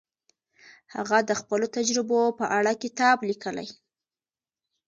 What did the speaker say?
هغه د خپلو تجربو په اړه کتاب لیکلی.